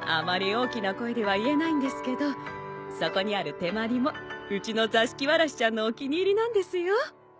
あまり大きな声では言えないんですけどそこにある手まりもうちの座敷童ちゃんのお気に入りなんですよ。